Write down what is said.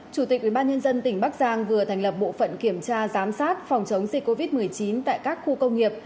chủ tịch ubnd tỉnh bắc giang vừa thành lập bộ phận kiểm tra giám sát phòng chống dịch covid một mươi chín tại các khu công nghiệp